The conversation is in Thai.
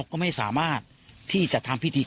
คุณสังเงียมต้องตายแล้วคุณสังเงียม